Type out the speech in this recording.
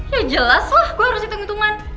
ya jelas lah gue harus hitung hitungan